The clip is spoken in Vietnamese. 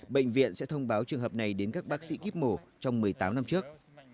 bệnh viện sẽ thông báo trường hợp này đến các bác sĩ kíp mổ trong một mươi tám năm trước